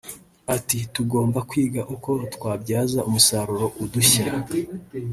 Ati "Tugomba kwiga uko twabyaza umusaruro udushya